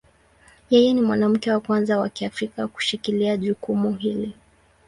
Yeye ni mwanamke wa kwanza wa Kiafrika kushikilia jukumu hili.